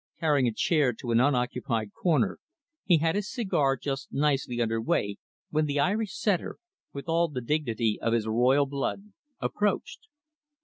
Carrying a chair to an unoccupied corner, he had his cigar just nicely under way when the Irish Setter with all the dignity of his royal blood approached.